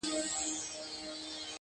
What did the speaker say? • د زيارتـونو يې خورده ماتـه كـړه ـ